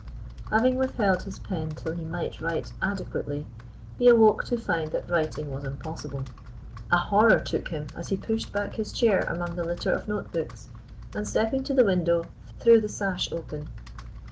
Having withheld his pen till he might write adequately, he awoke to find that writing was impossible. A horror took him as he pushed back his chair among the litter of note books, and, stepping to the window, threw the sash open.